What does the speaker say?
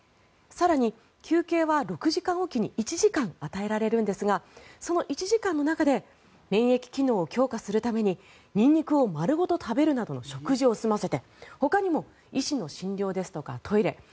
更に休憩は６時間おきに１時間与えられるんですがその１時間の中で免疫機能を強化するためにニンニクを丸ごと食べるなどの食事を済ませて、ほかにも医師の診療ですとかトイレ